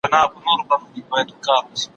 څوک یې درې څوک یې څلور ځله لوستلي